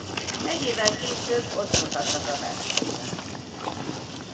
Egy évvel később otthont adtak a versenynek.